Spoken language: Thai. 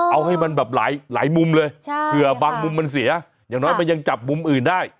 เอาให้มันแบบหลายมุมเลยเผื่อบางมุมมันเสียอย่างน้อยมันยังจับมุมอื่นได้